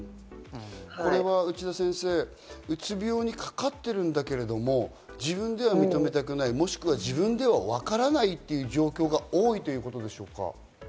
これは内田先生、うつ病にかかっているんだけれども、自分では認めたくない、もしくは自分ではわからないという状況が多いということでしょうか？